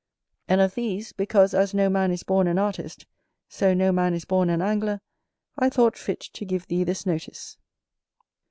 And of these, because as no man is born an artist, so no man is born an Angler, I thought fit to give thee this notice.